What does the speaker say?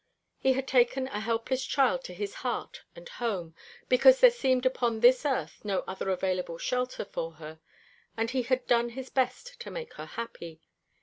He had taken a helpless girl to his heart and home, because there seemed upon this earth no other available shelter for her; and he had done his best to make her happy.